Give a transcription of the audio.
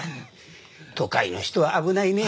都会の人は危ないねえ。